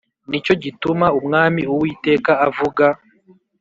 Ni cyo gituma Umwami Uwiteka avuga